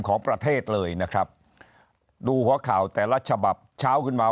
ของประเทศเลยนะครับดูหัวข่าวแต่ละฉบับเช้าขึ้นมา